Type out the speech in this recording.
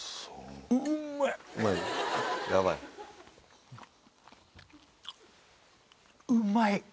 そううまい？